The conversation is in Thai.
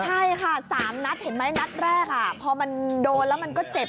ใช่ค่ะ๓นัดเห็นไหมนัดแรกพอมันโดนแล้วมันก็เจ็บ